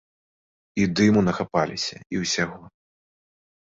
І дыму нахапаліся, і ўсяго.